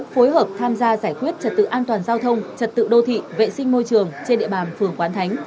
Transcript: phối hợp tham gia giải quyết trật tự an toàn giao thông trật tự đô thị vệ sinh môi trường trên địa bàn phường quán thánh